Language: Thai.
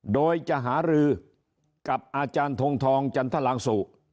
โดยจะหารือกับอาจารย์ทงทองจันทรางสุ